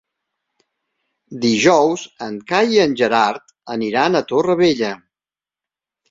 Dijous en Cai i en Gerard aniran a Torrevella.